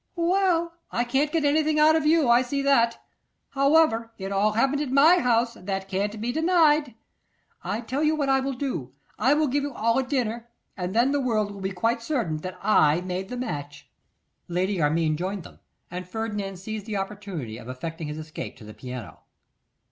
'Well, I can't get anything out of you, I see that. However, it all happened at my house, that can't be denied. I tell you what I will do; I will give you all a dinner, and then the world will be quite certain that I made the match.' Lady Armine joined them, and Ferdinand seized the opportunity of effecting his escape to the piano.